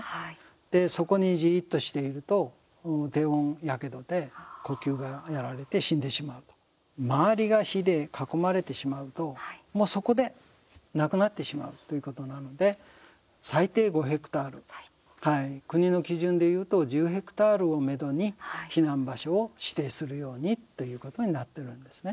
で、そこにじーっとしていると低温やけどで呼吸がやられて死んでしまうと周りが火で囲まれてしまうともうそこで亡くなってしまうということなので最低５ヘクタール国の基準でいうと１０ヘクタールをめどに避難場所を指定するようにということになってるんですね。